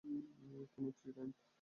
কোন ফ্রি টাইমে?